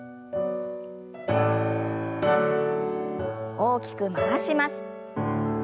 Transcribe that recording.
大きく回します。